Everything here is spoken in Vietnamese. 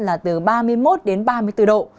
là từ ba mươi một đến ba mươi bốn độ